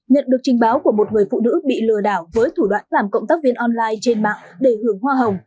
nhận được trình báo của một người phụ nữ bị lừa đảo với thủ đoạn làm cộng tác viên online trên mạng để hưởng hoa hồng